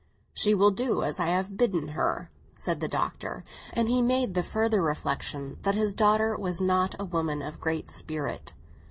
"She will do as I have bidden her," said the Doctor, and he made the further reflexion that his daughter was not a woman of a great spirit.